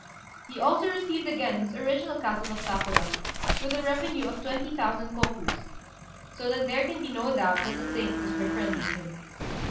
He also received again his original castle of Sakura, with a revenue of twenty thousand kokus: so that there can be no doubt that the saint was befriending him.